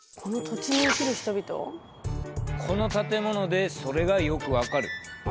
この建物でそれがよく分かる。